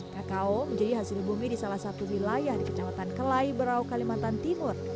kakao menjadi hasil bumi di salah satu wilayah di kecamatan kelai berau kalimantan timur